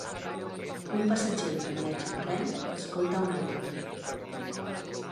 Un passatger que viatja en tren escolta un iPod.